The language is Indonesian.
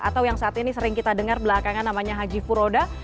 atau yang saat ini sering kita dengar belakangan namanya haji furoda